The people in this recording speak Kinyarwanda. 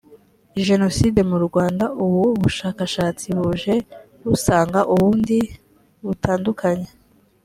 jenoside mu rwanda ubvu bushakashatsi buje busanga ubundi butandukanye